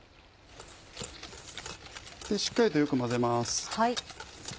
しっかりとよく混ぜます。